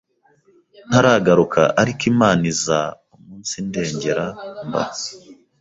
ntaragaruka ariko Imana iza umunsindengera mbaho